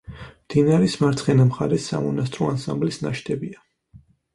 მდინარის მარცხენა მხარეს სამონასტრო ანსამბლის ნაშთებია.